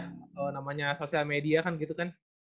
namanya sosial media kan gitu kan